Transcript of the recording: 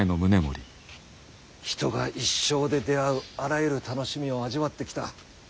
人が一生で出会うあらゆる楽しみを味わってきた。